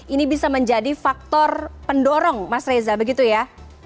ini bisa menjadi faktor pendorong mas reza begitu ya